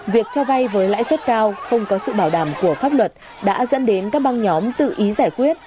việc cho vay với lãi suất cao không có sự bảo đảm của pháp luật đã dẫn đến các băng nhóm tự ý giải quyết